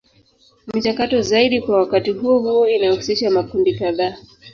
Michakato zaidi kwa wakati huo huo inahusisha makundi kadhaa.